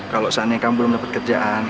kalau saatnya kamu belum dapet kerjaan